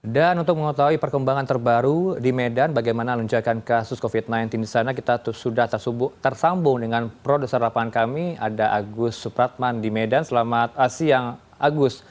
dan untuk mengetahui perkembangan terbaru di medan bagaimana lunjakan kasus covid sembilan belas di sana kita sudah tersambung dengan produser lapangan kami ada agus supratman di medan selamat siang agus